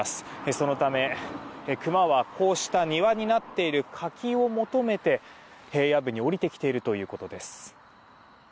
そのため、クマはこうした庭になっている柿を求めて平野部に下りてきているということです。